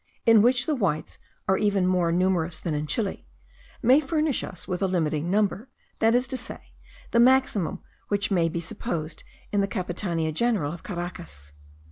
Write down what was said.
in which the whites are even more numerous than in Chile, may furnish us with a limiting number, that is to say, the maximum which may be supposed in the capitania general of Caracas.